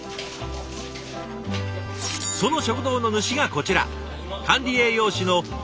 その食堂の主がこちら。